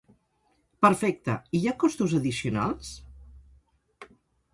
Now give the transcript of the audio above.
Perfecte, i hi ha costos addicionals?